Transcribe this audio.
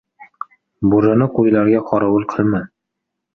• Bo‘rini qo‘ylarga qorovul qilma.